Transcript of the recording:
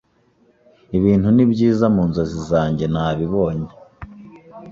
Ibintu ni byiza mu nzozi zanjye nabibonye